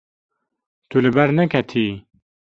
Tu li ber neketiyî.